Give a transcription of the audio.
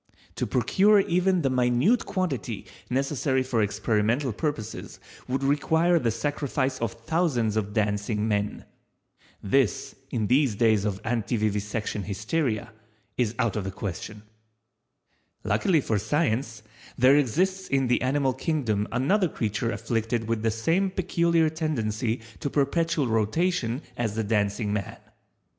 To procure even the minute quantity necessary for experimental purposes would require the sacrifice of thousands of Dancing men. This in these days of Antivivisection Hysteria, is out of the question. Luckily for Science, there exists in the animal Kingdom another creature afflicted with the same peculiar tendency to perpetual rotation as the Dancing man.